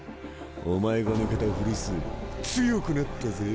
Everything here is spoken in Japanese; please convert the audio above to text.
お前が抜けた古巣強くなったぜ。